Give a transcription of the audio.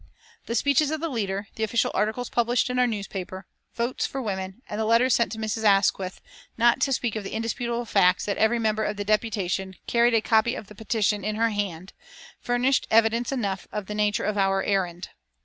The speeches of the leader, the official articles published in our newspaper, Votes for Women, and the letters sent to Mr. Asquith, not to speak of the indisputable facts that every member of the deputation carried a copy of the petition in her hand, furnished evidence enough of the nature of our errand.